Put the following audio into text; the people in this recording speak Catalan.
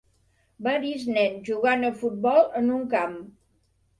Varis nens jugant a futbol en un camp.